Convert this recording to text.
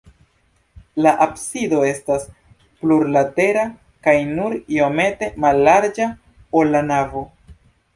La absido estas plurlatera kaj nur iomete mallarĝa, ol la navo.